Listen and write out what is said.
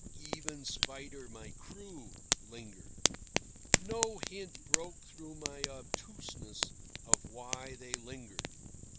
Even Spider, my crew, lingered. No hint broke through my obtuseness of why they lingered.